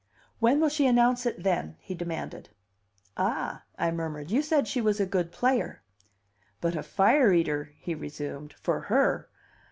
"When will she announce it, then?" he demanded. "Ah!" I murmured. "You said she was a good player." "But a fire eater!" he resumed. "For her.